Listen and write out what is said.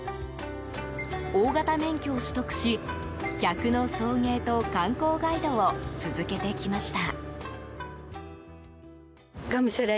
大型免許を取得し、客の送迎と観光ガイドを続けてきました。